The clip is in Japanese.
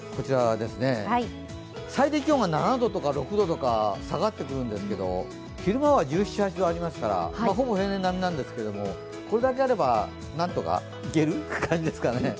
最低気温が７度とか６度とか下がってくるんですが、昼間は１７１８度ありますから、ほぼ平年並みなんですがこれだけあれば何とかいける感じですかね？